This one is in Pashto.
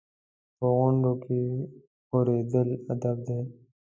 په غونډو کې اورېدل ادب دی.